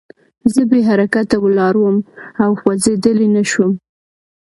زه بې حرکته ولاړ وم او خوځېدلی نه شوم